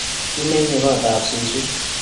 kimenye kootab suswek